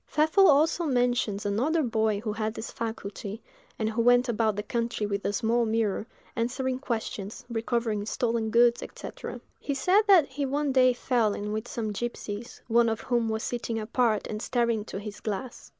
Pfeffel also mentions another boy who had this faculty, and who went about the country with a small mirror, answering questions, recovering stolen goods, &c. He said that he one day fell in with some gipsies, one of whom was sitting apart and staring into this glass.